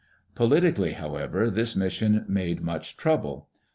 Politically, however, this mission made much trouble.